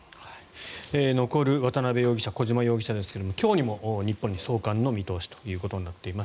残る渡邉容疑者、小島容疑者ですが今日にも日本に送還の見通しとなっています。